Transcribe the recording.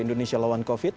indonesia lawan covid